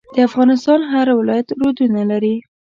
د افغانستان هر ولایت رودونه لري.